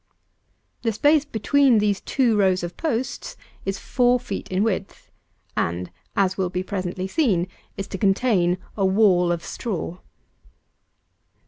The space between these two rows of posts is four feet in width, and, as will be presently seen, is to contain a wall of straw.